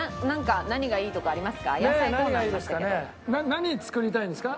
何作りたいんですか？